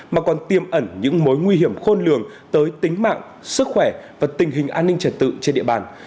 mà còn tiêm ẩn những mối nguy hiểm khôn lường tới tính mạng sức khỏe và tình hình an ninh trật tự trên địa bàn